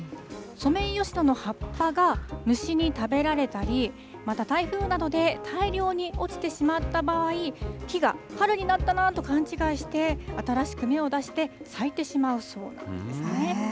ソメイヨシノの葉っぱが虫に食べられたり、また台風などで大量に落ちてしまった場合に、木が春になったなと勘違いして、新しく芽を出して咲いてしまうそうなんですね。